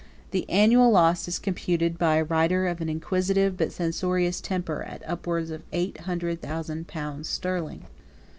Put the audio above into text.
106 The annual loss is computed, by a writer of an inquisitive but censorious temper, at upwards of eight hundred thousand pounds sterling.